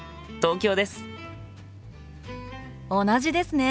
同じですね！